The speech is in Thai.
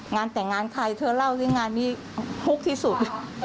งานแต่งงานใครเธอเล่าสิงานนี้ฮุกที่สุด